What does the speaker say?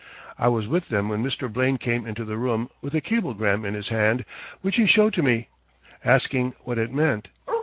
I was with them when Mr. Blaine came into the room with a cablegram in his hand which he showed to me, asking what it meant.